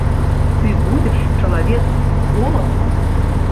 Ты будзеш чалавек з голасам.